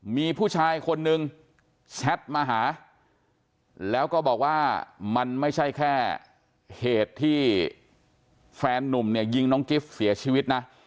มีผู้ชายคนนึงแชทมาหาแล้วก็บอกว่ามันไม่ใช่แค่เหตุที่แฟนนุ่มเนี่ยยิงน้องกิฟต์เสียชีวิตนะ